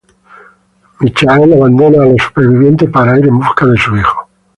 Michael abandona a los supervivientes para ir en busca de su hijo.